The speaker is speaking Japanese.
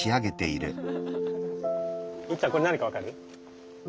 いっちゃんこれ何か分かる？